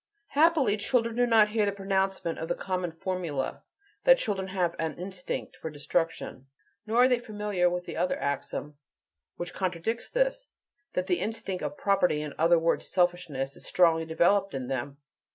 Happily, children do not hear the pronouncement of the common formula, that children have an "instinct" for destruction. Nor are they familiar with the other axiom which contradicts this: That the instinct of "property," in other words, selfishness, is strongly developed in them.